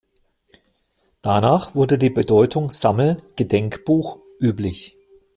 Danach wurde die Bedeutung ‚Sammel-, Gedenkbuch‘ üblich.